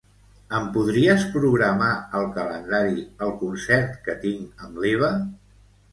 Em podries programar al calendari el concert que tinc amb l'Eva?